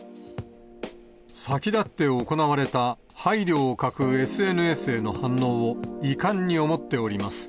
先だって行われた配慮を欠くＳＮＳへの反応を、遺憾に思っております。